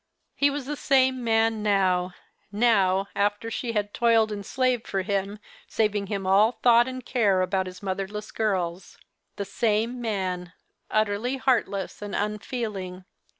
He was the same man now — now, after she had toiled and slaved for him, saving him all thought and care about his mother less girls. The same man, utterly heartless and unfeeling.